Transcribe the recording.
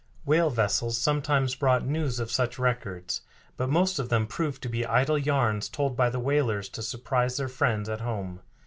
Whale vessels sometimes brought news of such records, but most of them proved to be idle yarns told by the whalers to surprise their friends at home.